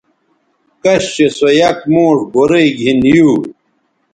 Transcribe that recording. کش چہء سو یک موݜ گورئ گِھن یو